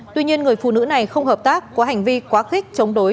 tuy nhiên người phụ nữ này không hợp tác có hành vi quá khích chống đối